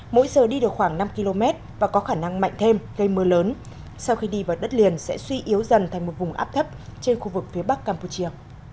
mỗi giờ đi được khoảng năm km và có khả năng mạnh thêm gây mưa lớn sau khi đi vào đất liền sẽ suy yếu dần thành một vùng áp thấp trên khu vực phía bắc campuchia